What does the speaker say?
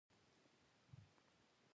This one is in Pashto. سارې ته ښه خبره هم بده ښکاري.